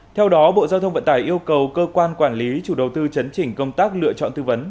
theo đó bộ giao thông vận tải yêu cầu cơ quan quản lý chủ đầu tư chấn chỉnh công tác lựa chọn tư vấn